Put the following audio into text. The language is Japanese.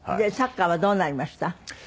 サッカーはどうなりました？